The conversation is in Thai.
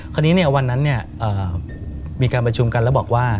วันนั้นมีการประชุมกันแล้วบอกว่า